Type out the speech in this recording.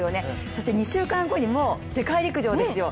そして２週間後にもう世界陸上ですよ。